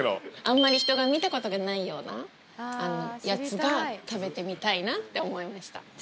あんまり人が見たことがないようなやつが食べてみたいなって思いました。